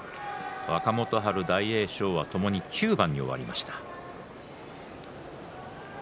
若元春、大栄翔はともに９番に終わっています。